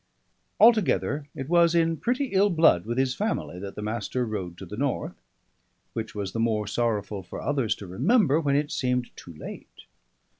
Altogether it was in pretty ill blood with his family that the Master rode to the North; which was the more sorrowful for others to remember when it seemed too late.